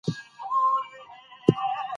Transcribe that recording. وې زۀ خو ډېر تږے يم